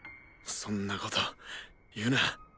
そんなこと言うな。